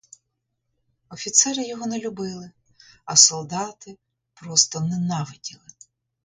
Офіцери його не любили, а солдати просто ненавиділи.